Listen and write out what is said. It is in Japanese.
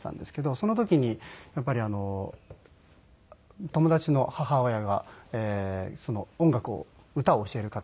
その時にやっぱり友達の母親が音楽を歌を教える方で。